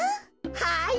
はい。